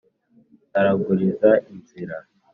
ndaraguliza inzira